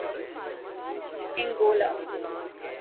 Angola